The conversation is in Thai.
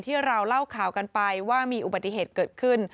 ที่เราเล่าข่าวกันไปว่ามีอุบัติเหตุเกิดขึ้น